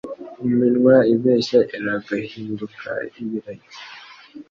Iminwa ibeshya iragahinduka ibiragi